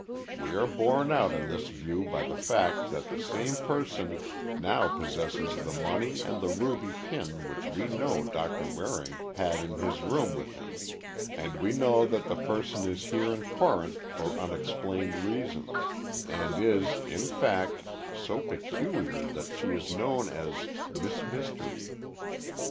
We are borne out in this view by the fact that the same person now possesses the money and the ruby pin which we know Doctor Waring had in his room with him, and we know that the person is here in Corinth for unexplained reasons, and is, in fact, so peculiar that she is known as—Miss Mystery.